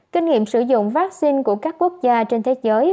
kinh nghiệm sử dụng vaccine của các quốc gia trên thế giới